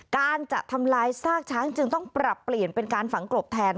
การจะทำลายซากช้างจึงต้องปรับเปลี่ยนเป็นการฝังกลบแทน